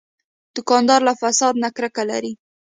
دوکاندار له فساد نه کرکه لري.